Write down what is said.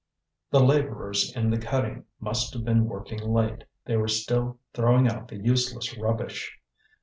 The labourers in the cutting must have been working late; they were still throwing out the useless rubbish.